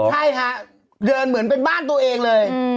ใช่ฮะเดินเหมือนเป็นบ้านตัวเองเลย